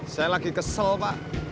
saya lagi kesel pak